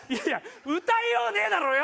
歌いようねえだろうよ！